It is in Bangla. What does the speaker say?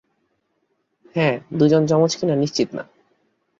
হ্যাঁ, দুইজন জমজ কিনা নিশ্চিত না।